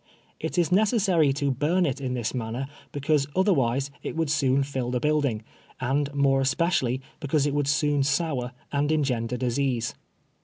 It is ne cessary to burn it in tliis manner, because otherwise it would soon lill the building, and more especially because it would soon sour and engender disease.